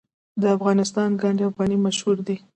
د افغانستان ګنډ افغاني مشهور دی